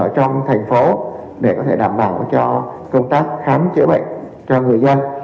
trong thành phố để có thể đảm bảo cho công tác khám chữa bệnh cho người dân